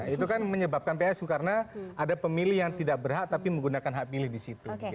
itu kan menyebabkan psu karena ada pemilih yang tidak berhak tapi menggunakan hak pilih di situ